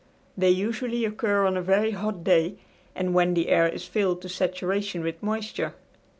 They usually occur on a very hot day, and when the air is filled to saturation with moisture.